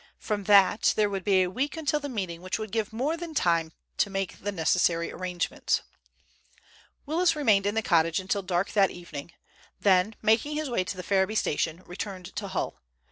From that there would be a week until the meeting, which would give more than time to make the necessary arrangements. Willis remained in the cottage until dark that evening, then, making his way to Ferriby station, returned to Hull.